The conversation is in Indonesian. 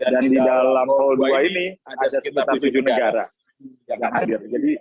dan di dalam kedua ini ada sekitar tujuh negara yang hadir